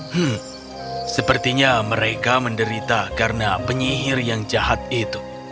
hmm sepertinya mereka menderita karena penyihir yang jahat itu